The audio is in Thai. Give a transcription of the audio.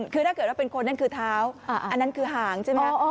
คือถ้าเกิดว่าเป็นคนนั่นคือเท้าอันนั้นคือหางใช่ไหม